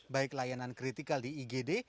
baik layanan kritikal di igd